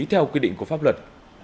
theo quy định của pháp luật